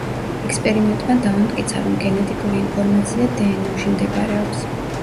ექსპერიმენტმა დაამტკიცა, რომ გენეტიკური ინფორმაცია დნმ-ში მდებარეობს.